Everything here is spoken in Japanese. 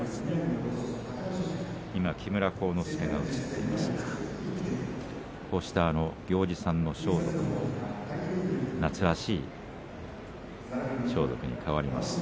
今は木村晃之助が映っていますがこうした行司さんの装束も夏らしい装束に替わります。